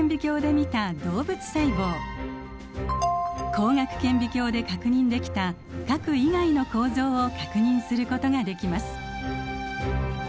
光学顕微鏡で確認できた核以外の構造を確認することができます。